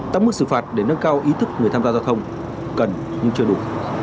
tăng mức xử phạt để nâng cao ý thức người tham gia giao thông cần nhưng chưa đủ